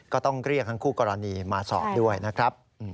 ก็ต้องเรียกทั้งคู่กรณีมาสอบด้วยนะครับ